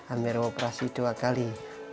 ambil operasi dua kali